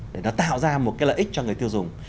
để nó tạo ra một cái lợi ích cho người tiêu dùng